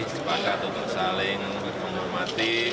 sepakat untuk saling menghormati